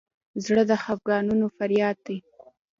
زړه د خفګانونو فریاد دی.